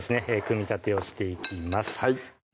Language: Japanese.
組み立てをしていきます